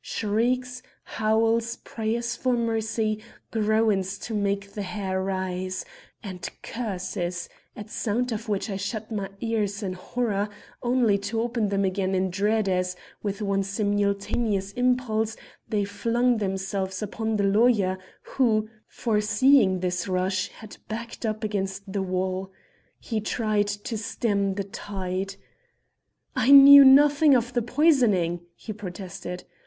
Shrieks howls prayers for mercy groans to make the hair rise and curses, at sound of which I shut my ears in horror, only to open them again in dread as, with one simultaneous impulse, they flung themselves upon the lawyer who, foreseeing this rush, had backed up against the wall. He tried to stem the tide. "I knew nothing of the poisoning," he protested.